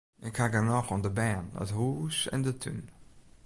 Ik haw genôch oan de bern, it hûs en de tún.